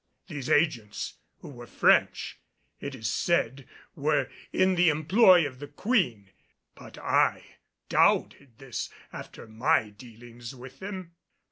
These agents, who were French, it is said were in the employ of the Queen, but I doubted this after my dealings with them.